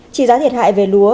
trị giá thiệt hại về lúa